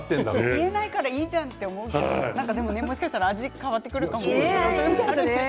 見えないからいいじゃないかと思うんですけれどももしかしたら味が変わってくるかも。